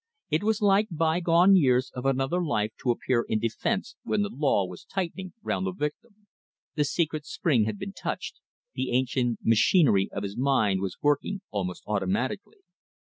It was like bygone years of another life to appear in defence when the law was tightening round a victim. The secret spring had been touched, the ancient machinery of his mind was working almost automatically.